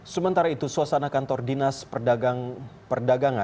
sementara itu suasana kantor dinas perdagangan